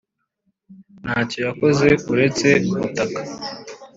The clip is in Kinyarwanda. nacyo yakoze uretse gutaka.